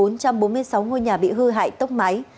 bốn trăm bốn mươi sáu ngôi nhà bị hư hại tốc máy